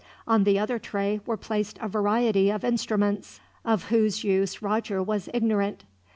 On the other tray were placed a variety of instruments, of whose use Roger was ignorant.